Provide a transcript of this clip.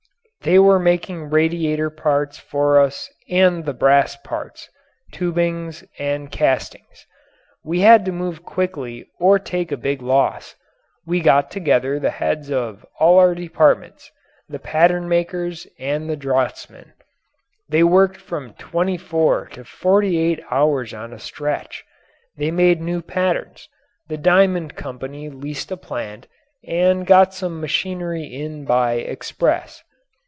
They were making radiator parts for us and the brass parts tubings and castings. We had to move quickly or take a big loss. We got together the heads of all our departments, the pattern makers and the draughtsmen. They worked from twenty four to forty eight hours on a stretch. They made new patterns; the Diamond Company leased a plant and got some machinery in by express.